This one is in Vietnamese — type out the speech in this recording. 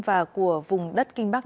và của vùng đất kinh bắc